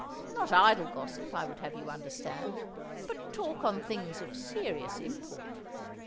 Not idle gossip, I would have you understand; but talk on things of serious import.